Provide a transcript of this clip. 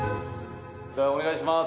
じゃあお願いします。